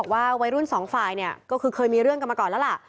วัยรุ่นสองฝ่ายมีเรื่องกันมาก่อนแล้ว